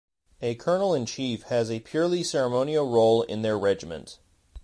A Colonel-in-Chief has a purely ceremonial role in their regiment.